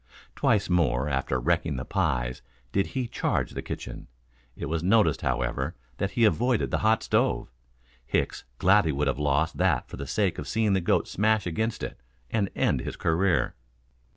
Twice more after wrecking the pies, did he charge the kitchen. It was noticed, however, that he avoided the hot stove. Hicks gladly would have lost that for the sake of seeing the goat smash against it and end his career.